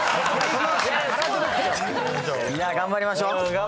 頑張りましょう。